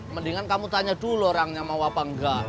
mendingan kamu tanya dulu orangnya mau apa enggak